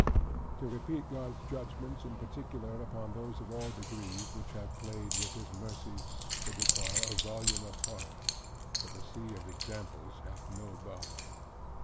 To repeat God's judgments in particular, upon those of all degrees, which have played with his mercies would require a volume apart: for the sea of examples hath no bottom.